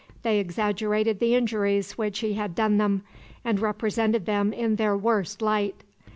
They exaggerated the injuries which he had done them, and represented them in their worst light.